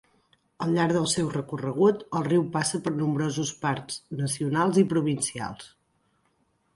Al llarg del seu recorregut el riu passa per nombrosos parcs nacionals i provincials.